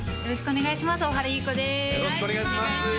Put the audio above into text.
よろしくお願いします